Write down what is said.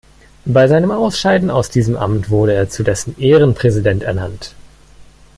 Bei seinem Ausscheiden aus diesem Amt wurde er zu dessen Ehrenpräsident ernannt.